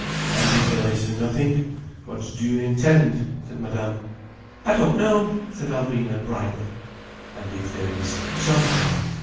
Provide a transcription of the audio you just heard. "And if there is nothing, what do you intend?" said Madame. "I don't know," said Alvina brightly. "And if there is something?"